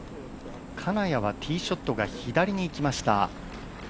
金谷はティーショットが左にいきました。